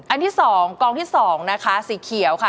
ที่๒กองที่๒นะคะสีเขียวค่ะ